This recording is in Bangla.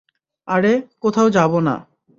আরে, কোথাও যাবো না!